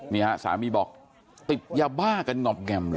นี่ฮะสามีบอกติดยาบ้ากันหงอบแง่มเลย